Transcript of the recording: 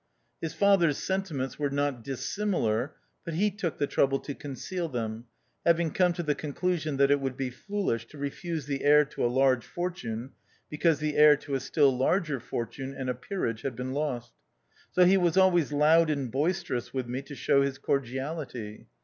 His father's sentiments were not dissimilar, but he took the trouble to conceal them, having come to the conclusion that it would be foolish to refuse the heir to a large fortune because the heir to a still larger fortune and a peerage had been lost. So he was always loud and boisterous with me to shew his cordiality.